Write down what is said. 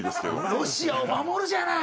ロシアを守るじゃない！